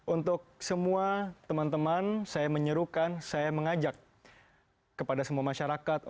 untuk semua teman teman saya menyerukan saya mengajak kepada semua masyarakat